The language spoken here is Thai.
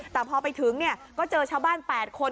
แต่พอไปถึงเนี้ยก็เจอชาวบ้านแปดคน